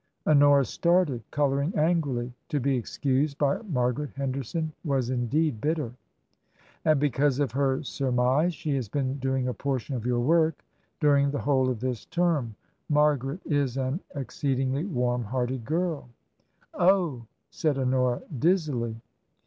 Honora started, colouring angrily ; to be excused by Margaret Henderson was indeed bitten " And because of her surmise she has been doing a portion of your work during the whole of this term. Margaret is an exceedingly warm hearted girl." " Oh !" said Honora, dizzily.